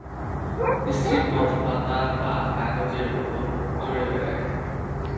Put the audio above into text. স্ত্রী মথ পাতা বা কাগজের উপর চরে বেড়ায়।